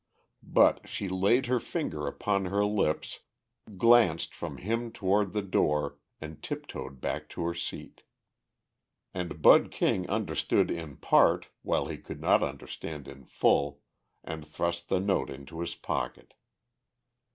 But she laid her finger upon her lips, glanced from him toward the door, and tiptoed back to her seat. And Bud King understood in part while he could not understand in full, and thrust the note into his pocket.